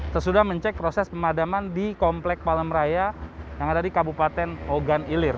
sesudah mencek proses pemadaman di komplek palemraya yang ada di kabupaten ogan ilir